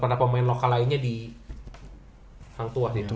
karena pemain lokal lainnya di hang tuah gitu